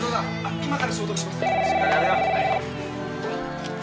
今から消毒します